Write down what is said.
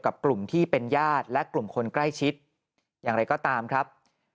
กับกลุ่มที่เป็นญาติและกลุ่มคนใกล้ชิดอย่างไรก็ตามครับ